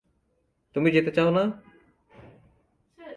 তুমি যেতে চাও না?